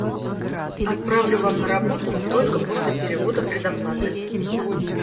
Отправлю вам наработку только после перевода предоплаты.